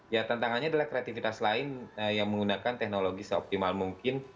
ya tantangannya adalah kreativitas lain yang menggunakan teknologi seoptimal mungkin